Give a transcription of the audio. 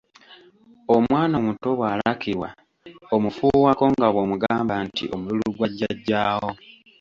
Omwana omuto bw’alakirwa omufuuwako nga bwomugamba nti omululu gwa jjajjaawo.